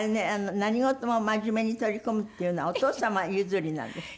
何事も真面目に取り組むっていうのはお父様譲りなんですって？